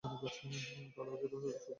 কালে ওদেরও সব শক্তির বিকাশ হবে।